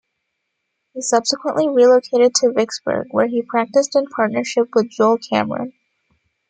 He subsequently relocated to Vicksburg, where he practiced in partnership with Joel Cameron.